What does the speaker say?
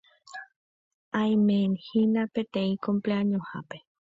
Aimehína peteĩ cumpleaños-hápe